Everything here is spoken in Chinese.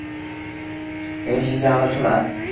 绫崎家的次男。